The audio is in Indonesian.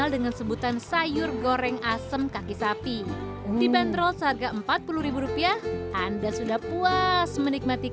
dengan sebutan sayur goreng asem kaki sapi dibanderol seharga empat puluh rupiah anda sudah puas menikmati